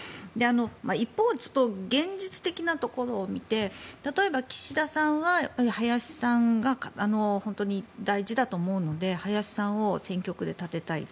一方、現実的なところを見て例えば岸田さんは林さんが大事だと思うので林さんを選挙区で立てたい。